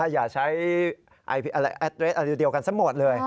อย่าใช้แอดเรสอะไรเดียวกันซะหมดเลย